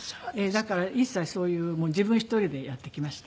だから一切そういう自分一人でやってきました。